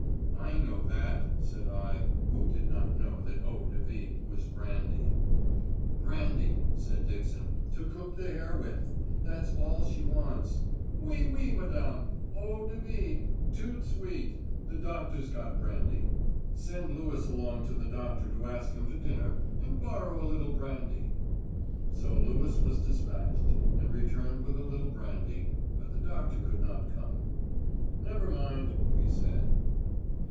"I know that," said I (who did not know that eau de vie was brandy?) "Brandy," said Dixon, "to cook the hare with. That's all she wants. Oui, oui, Madame. Eau de vie. Tout de suite. The doctor's got brandy. Send Lewis along to the doctor to ask him to dinner, and borrow a little brandy." So Lewis was despatched, and returned with a little brandy, but the doctor could not come. "Never mind," we said.